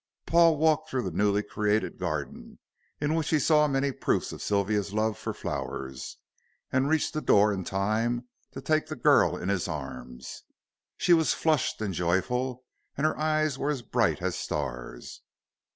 Paul walked through the newly created garden, in which he saw many proofs of Sylvia's love for flowers, and reached the door in time to take the girl in his arms. She was flushed and joyful, and her eyes were as bright as stars.